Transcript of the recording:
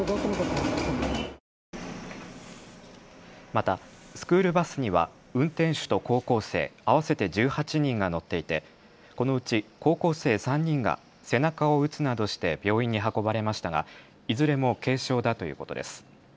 またスクールバスには運転手と高校生合わせて１８人が乗っていてこのうち高校生３人が背中を打つなどして病院に運ばれましたがいずれも軽傷だということです。